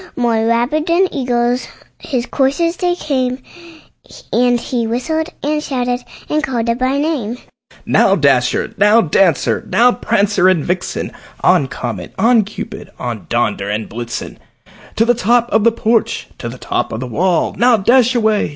More rapid than eagles his coursers they came, And he whistled, and shouted, and called them by name: "Now, Dasher! now, Dancer! now, Prancer and Vixen! On, Comet! on, Cupid! on, Donder and Blitzen! To the top of the porch! to the top of the wall! Now dash away!